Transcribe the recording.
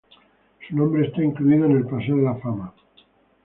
Su nombre está incluido en el "Paseo de la Fama" de St.